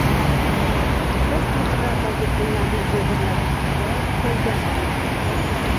Ko‘p miqdordagi pullarni o‘g‘irlagan ayol qo‘lga olindi